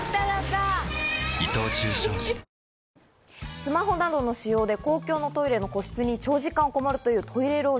スマホなどの使用で公共のトイレの個室に長時間こもるという、トイレ籠城。